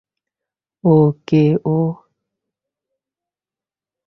ও কে ও!